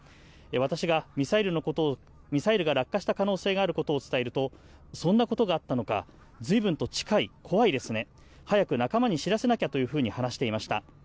私が、ミサイルが落下した可能性があることを伝えると、そんなことがあったのか、随分と近い、怖いですね、早く仲間に知らせなきゃというふうに話していました。